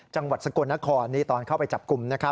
จังหวัดสกลนครตอนเข้าไปจับกลุ่ม